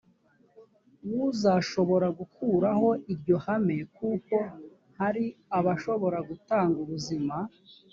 wuzashobora gukuraho iryo hame kuko hari abashobora gutanga ubuzima